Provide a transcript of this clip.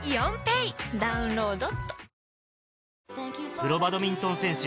プロバドミントン選手